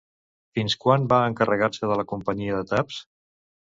Fins quan va encarregar-se de la companyia de taps?